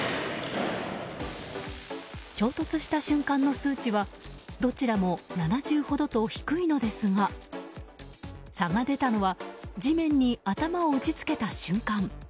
衝突した瞬間の数値はどちらも７０ほどと低いのですが差が出たのは地面に頭を打ち付けた瞬間。